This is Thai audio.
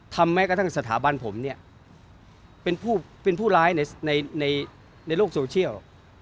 แม้กระทั่งสถาบันผมเนี่ยเป็นผู้ร้ายในโลกโซเชียล